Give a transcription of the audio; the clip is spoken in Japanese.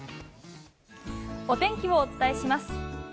お天気をお伝えします。